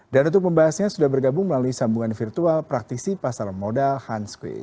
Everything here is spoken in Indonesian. dan untuk pembahasannya sudah bergabung melalui sambungan virtual praktisi pasar modal hans kueh